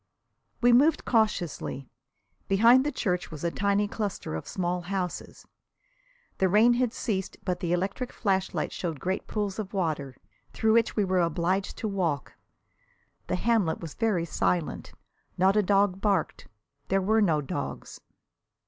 We moved cautiously. Behind the church was a tiny cluster of small houses. The rain had ceased, but the electric flashlight showed great pools of water, through which we were obliged to walk. The hamlet was very silent not a dog barked. There were no dogs.